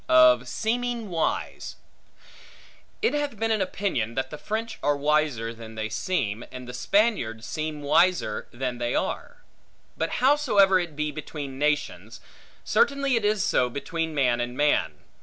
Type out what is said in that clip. Of Seeming Wise IT HATH been an opinion, that the French are wiser than they seem, and the Spaniards seem wiser than they are. But howsoever it be between nations, certainly it is so between man and man.